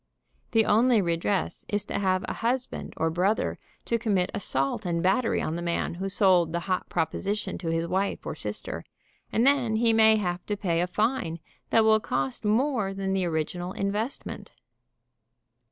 The only redress is to have a husband or brother to commit assault and battery on the man who sold the hot proposition to his wife or sister, and then he may have to pay a fine that will cost more than the original investment.